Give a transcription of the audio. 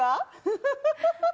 フフフフ！